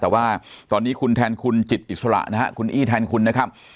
แต่ว่าตอนนี้คุณแทนคุณจิตอิสระนะฮะคุณอี้แทนคุณนะครับ